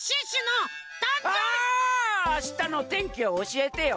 あしたのてんきをおしえてよ。